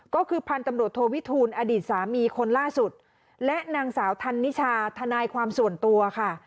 ก็คือพันธุ์ตำรวจโทวิทูลอดีตสามีคนล่าสุดและนางสาวธันนิชาทนายความส่วนตัวค่ะ